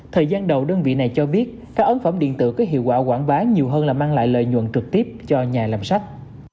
thời gian đầu đơn vị này cho biết các ấn phẩm điện tử có hiệu quả quảng bá nhiều hơn là mang lại lợi nhuận trực tiếp cho nhà làm sách